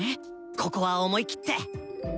ここは思い切って。